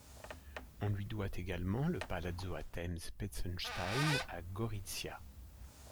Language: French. On lui doit également le palazzo Attems Petzenstein à Gorizia.